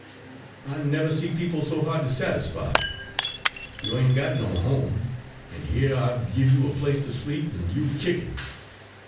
"I never see people so hard to satisfy. You ain' got no home, an' here I've give' you a place to sleep, an' you're kickin'.